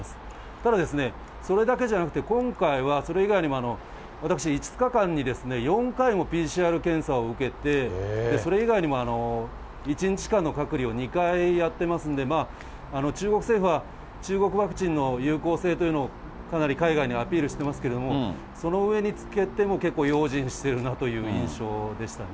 ただ、それだけじゃなくて、今回はそれ以外にも私、５日間に４回もＰＣＲ検査を受けて、それ以外にも１日からの隔離を２回やってますんで、中国政府は、中国ワクチンの有効性というのをかなり海外にアピールしてますけれども、その上につけても、結構用心しているなという印象でしたね。